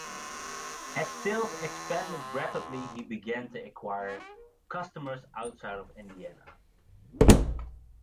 As sales expanded rapidly he began to acquire customers outside of Indiana.